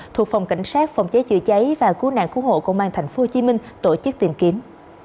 thuộc phòng cảnh sát phòng cháy chữa cháy và cứu nạn cứu hộ công an tp hcm tổ chức tìm kiếm